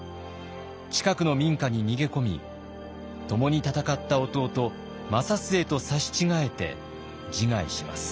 近くの民家に逃げ込み共に戦った弟正季と刺し違えて自害します。